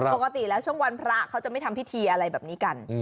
ปกติแล้วช่วงวันพระเขาจะไม่ทำพิธีอะไรแบบนี้กัน